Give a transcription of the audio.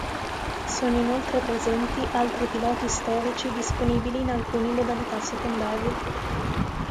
Sono inoltre presenti altri piloti storici disponibili in alcune modalità secondarie.